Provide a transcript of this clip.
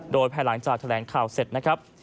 โดยภายหลังจากแถลงข่าวเสร็จนะครับ